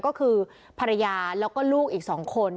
ก็คือภรรยาแล้วก็ลูกอีก๒คน